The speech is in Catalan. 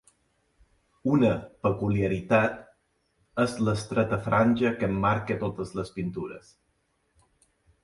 Una peculiaritat és l'estreta franja que emmarca totes les pintures.